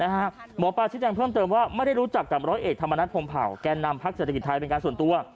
หมอปลาชิดแจ้งเพิ่มเติมว่าไม่ได้รู้จักกับร้อยเอกธรรมนัฐพรมเผาแก่นำพักเศรษฐกิจไทยเป็นการส่วนตัว